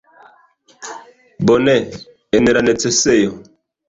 Bone, en la necesejo.